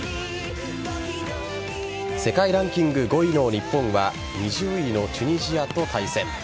世界ランキング５位の日本は２０位のチュニジアと対戦。